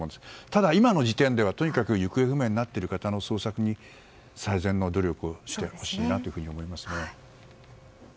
ただ今の時点ではとにかく行方不明になっている方の捜索に最善の努力をしてほしいと思います。